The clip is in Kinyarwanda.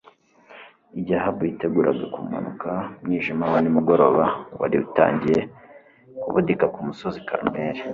Igihe Ahabu yiteguraga kumanuka umwijima wa ni mugoroba wari utangiye kubudika ku musozi Karumeli